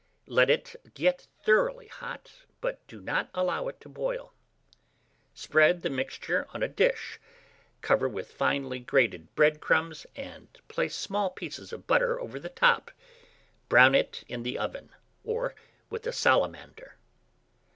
Let it get thoroughly hot, but do not allow it to boil. Spread the mixture on a dish, cover with finely grated bread crumbs, and place small pieces of butter over the top. Brown it in the oven, or with a salamander.